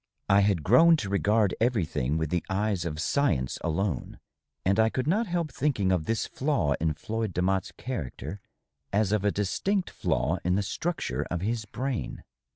I had grown to regard everything with the eyes of science alone, and I could not help thinking of this flaw in Floyd Demotte's character as of a distinct flaw in the structure of his brain.